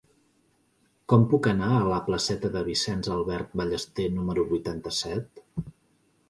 Com puc anar a la placeta de Vicenç Albert Ballester número vuitanta-set?